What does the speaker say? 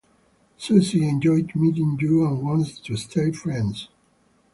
Suzy enjoyed meeting you and wants to stay friends.